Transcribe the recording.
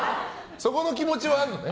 そこの気持ちはあるのね。